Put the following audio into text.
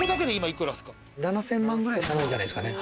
７，０００万ぐらいしたんじゃないですかね。